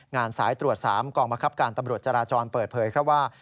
งานสายตรวจ๓กองมกรับการตำรวจจราจรเปิดเผยเข้าว่า